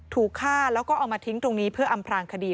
ถูกฆ่าแล้วก็เอามาทิ้งตรงนี้เพื่ออำพลางคดี